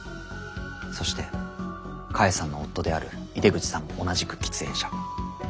そして菓恵さんの夫である井出口さんも同じく喫煙者。